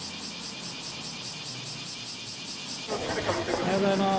おはようございます。